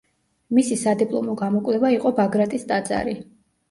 მისი სადიპლომო გამოკვლევა იყო ბაგრატის ტაძარი.